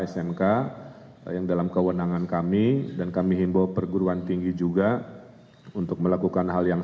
smk yang dalam kewenangan kami dan kami himbau perguruan tinggi juga untuk melakukan hal yang